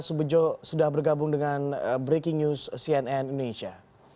subejo sudah bergabung dengan breaking news cnn indonesia